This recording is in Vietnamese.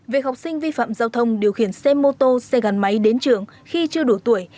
về học sinh vi phạm giao thông điều khiển xe mô tô xe gắn máy đến trường khi chưa đủ tuổi